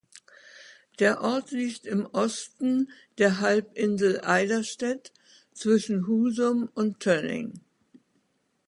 Der Ort liegt im Osten der Halbinsel Eiderstedt, zwischen Husum und Tönning.